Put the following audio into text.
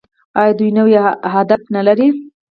آیا دوی نوي اهداف نلري؟